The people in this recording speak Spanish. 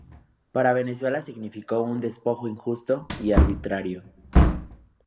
Para Venezuela significó un despojo injusto y arbitrario.